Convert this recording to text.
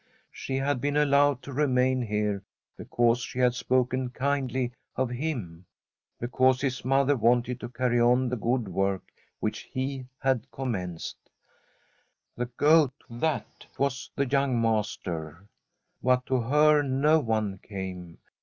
She had been allowed to remain here because she had spoken kindly of him, because his mother wanted to carry on the good work which he had com menced. The Goat — that was the young master. But to her no one came.